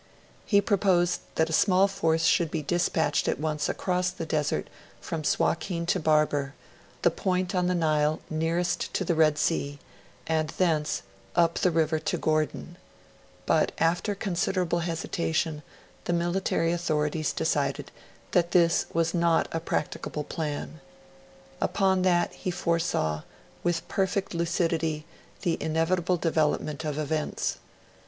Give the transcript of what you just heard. He proposed that a small force should be dispatched at once across the desert from Suakin to Barber, the point on the Nile nearest to the Red Sea, and thence up the river to Gordon; but, after considerable hesitation, the military authorities decided that this was not a practicable plan. Upon that, he foresaw, with perfect lucidity, the inevitable development of events.